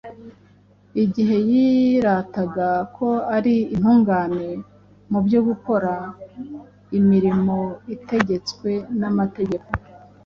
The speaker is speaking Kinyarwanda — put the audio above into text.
Igihe yirataga ko ari intungane mu byo gukora imirimo itegetswe n’amategeko,